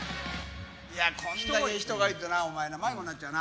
こんなに人がいるとな、お前迷子になっちゃうな。